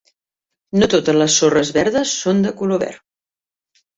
No totes les sorres verdes són de color verd.